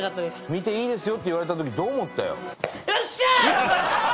「見ていいですよ」って言われた時どう思ったよ？